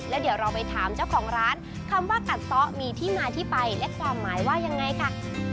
แล้วเดี๋ยวเราไปถามเจ้าของร้านคำว่ากัดซ้อมีที่มาที่ไปและความหมายว่ายังไงค่ะ